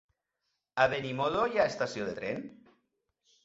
A Benimodo hi ha estació de tren?